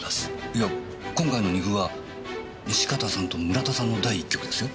いや今回の二歩は西片さんと村田さんの第一局ですよ。